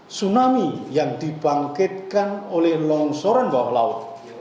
tsunami yang dibangkitkan oleh longsoran bawah laut